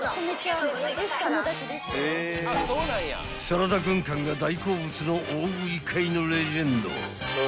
［サラダ軍艦が大好物の大食い界のレジェンド］